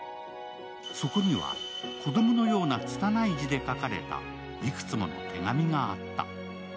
そこには、子供のようなつたない字で書かれたいくつもの手紙があった。